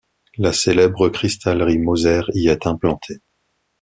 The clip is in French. La célèbre cristallerie Moser y est implantée.